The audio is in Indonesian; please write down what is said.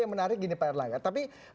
yang menarik gini pak erlangga tapi